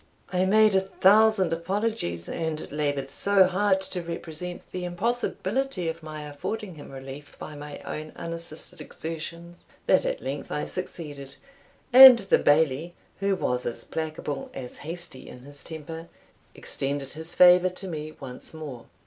I made a thousand apologies, and laboured so hard to represent the impossibility of my affording him relief by my own unassisted exertions, that at length I succeeded, and the Bailie, who was as placable as hasty in his temper, extended his favour to me once more.